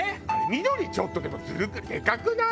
緑ちょっとでもずるくでかくない？